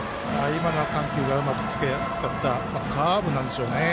今のは緩急をうまく使ったカーブなんでしょうね。